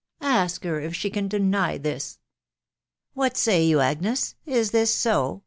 •.. Ask her if she can deny this? "" What say you, Agnes? .... Is this so?